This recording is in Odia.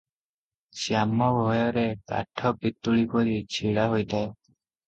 ଶ୍ୟାମ ଭୟରେ କାଠ ପିତୁଳି ପରି ଛିଡ଼ା ହୋଇଥାଏ ।